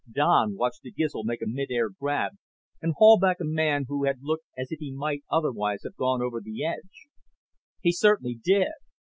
Don watched the Gizl make a mid air grab and haul back a man who had looked as if he might otherwise have gone over the edge. "He certainly did."